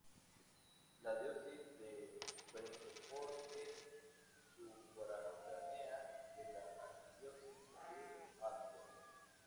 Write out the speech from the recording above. La Diócesis de Bridgeport es sufragánea de la Arquidiócesis de Hartford.